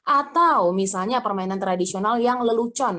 atau misalnya permainan tradisional yang lelucon